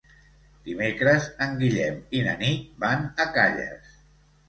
Dimecres en Guillem i na Nit van a Calles.